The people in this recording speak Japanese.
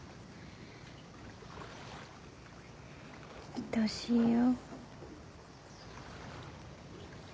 いとしいよ。